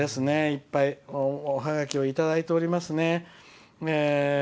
いっぱいおハガキをいただいておりますね。